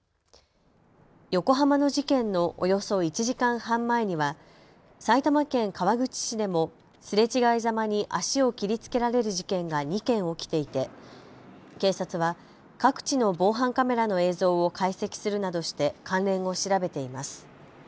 横浜の事件のおよそ１時間半前には埼玉県川口市でもすれ違いざまに足を切りつけられる事件が２件起きていて警察は各地の防犯カメラの映像を解析するなどして関連を調べています。